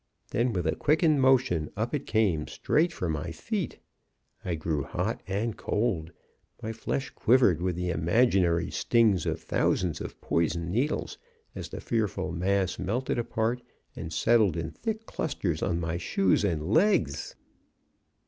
Then with a quickened motion, up it came, straight for my feet. "I grew hot and cold. My flesh quivered with the imaginary stings of thousands of poisoned needles, as the fearful mass melted apart and settled in thick clusters on my shoes and legs!